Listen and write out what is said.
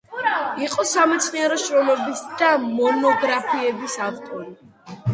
იყო სამეცნიერო შრომების და მონოგრაფიების ავტორი.